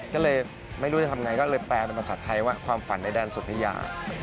ก็เลยไม่รู้จะทำไงก็เลยแปลเป็นภาษาไทยว่าความฝันในแดนสุธิยา